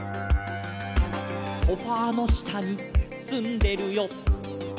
「ソファの下にすんでるよ」